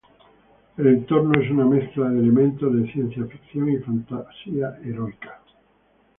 El entorno es una mezcla de elementos de ciencia ficción y Fantasía heroica.